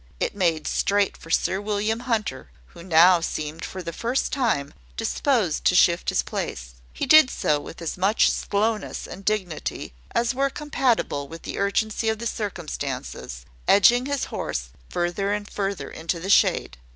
It made straight for Sir William Hunter, who now seemed for the first time disposed to shift his place. He did so with as much slowness and dignity as were compatible with the urgency of the circumstances, edging his horse further and further into the shade.